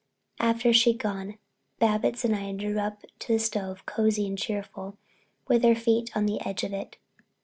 After she'd gone, Babbitts and I drew up to the stove, cozy and cheerful, with our feet on the edge of it.